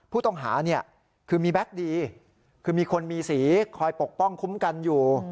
ผู้ต้องหาเนี่ยคือมีแบ็คดีคือมีคนมีสีคอยปกป้องคุ้มกันอยู่